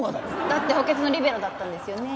だって補欠のリベロだったんですよね？